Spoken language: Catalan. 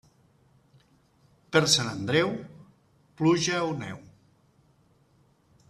Per Sant Andreu, pluja o neu.